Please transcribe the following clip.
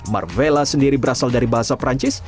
marvella sendiri berasal dari bahasa perancis